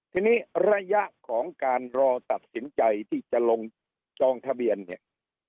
ทีนี้ระยะของการรอตัดสินใจที่จะลงจองทะเบียนเนี่ย